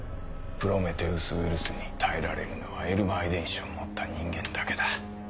プロメテウス・ウイルスに耐えられるのはエルマー遺伝子を持った人間だけだ。